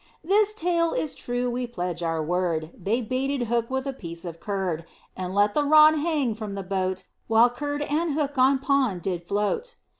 This tale is true we pledge our word, They baited hook with a piece of curd, And let the rod hang from the boat, While curd and hook on pond did float.